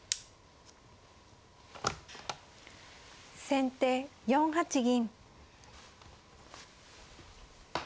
先手４八銀。